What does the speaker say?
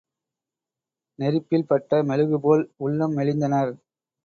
நெருப்பில் பட்ட மெழுகு போல் உள்ளம் மெலிந்தனர்.